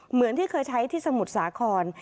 เหมือนที่เคยใช้ที่สมุทรสาคร